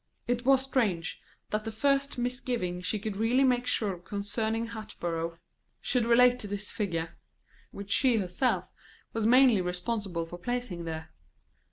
It was strange that the first misgiving she could really make sure of concerning Hatboro' should relate to this figure, which she herself was mainly responsible for placing there.